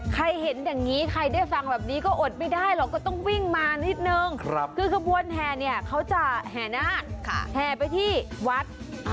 เห็นอย่างนี้ใครได้ฟังแบบนี้ก็อดไม่ได้หรอกก็ต้องวิ่งมานิดนึงคือขบวนแห่เนี่ยเขาจะแห่นาคแห่ไปที่วัด